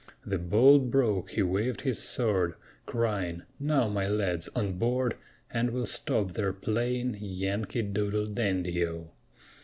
The bold Broke he waved his sword, Crying, "Now, my lads, on board, And we'll stop their playing Yankee Doodle Dandy O!"